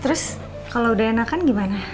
terus kalau udah enakan gimana